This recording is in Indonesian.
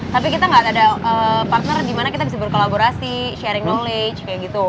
tapi kita gak ada partner dimana kita bisa berkolaborasi sharing knowledge kayak gitu